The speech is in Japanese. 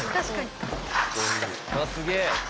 うわっすげえ。